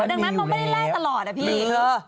ดังนั้นมันไม่ได้แลกตลอดอะพี่